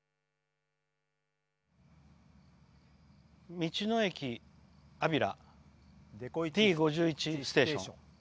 道の駅あびらＤ５１ステーション。